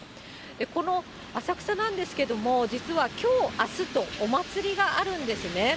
この浅草なんですけども、実はきょう、あすとお祭りがあるんですね。